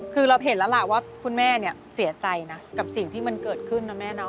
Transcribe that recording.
คือเราเห็นแล้วล่ะว่าคุณแม่เนี่ยเสียใจนะกับสิ่งที่มันเกิดขึ้นนะแม่เนาะ